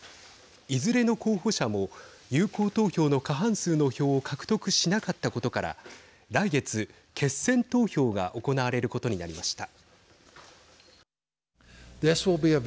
いずれの候補者も有効投票の過半数の票を獲得しなかったことから来月、決選投票が行われることになりました。